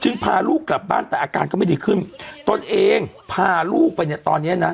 พาลูกกลับบ้านแต่อาการก็ไม่ดีขึ้นตนเองพาลูกไปเนี่ยตอนเนี้ยนะ